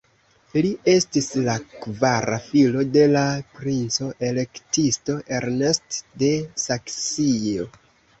Li estis la kvara filo de la princo-elektisto Ernst de Saksio.